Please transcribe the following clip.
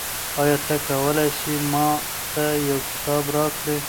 آیا ته کولای سې ما ته یو کتاب راکړې؟